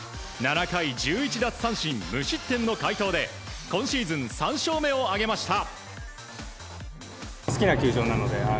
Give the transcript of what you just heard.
７回１１奪三振無失点の快投で今シーズン３勝目を挙げました。